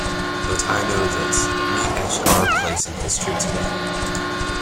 But I know this: We etched our place in history today.